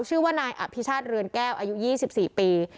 ชื่อว่านายอภิชาตรเรือนแก้วอายุยี่สิบสี่ปี